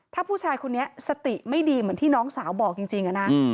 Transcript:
ถ้าผู้ชายคนนี้สติไม่ดีเหมือนที่น้องสาวบอกจริงนะ